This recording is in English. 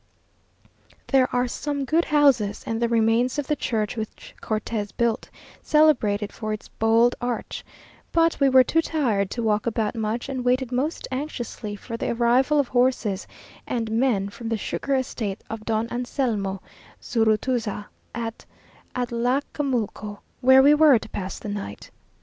There are some good houses, and the remains of the church which Cortes built, celebrated for its bold arch; but we were too tired to walk about much, and waited most anxiously for the arrival of horses and men from the sugar estate of Don Anselmo Zurutuza, at Atlacamulco; where we were to pass the night.